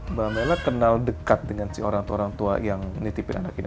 mbak mela kenal dekat dengan si orang tua orang tua yang nitipin anak ini